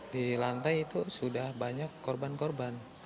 di lantai itu sudah banyak korban korban